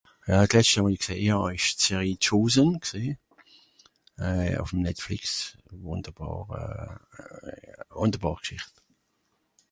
Jà d'letschte wo I g'sehn hà esch d'série Chosen g'sehn euhh ùff'm Netflix wunderbàr euhhhh wunderbàr G'schìscht